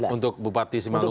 untuk bupati simalungun ya